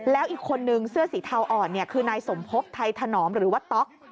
แล้วอีกคนนึงเสื้อสีเทาอ่อนคือนายสมภพไทยถนอมหรือว่าต๊อก